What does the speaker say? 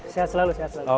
sehat selalu sehat selalu